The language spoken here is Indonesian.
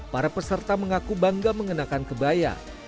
para peserta mengaku bangga mengenakan kebaya